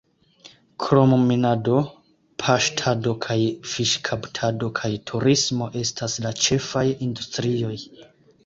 Krom minado, paŝtado kaj fiŝkaptado kaj turismo estas la ĉefaj industrioj.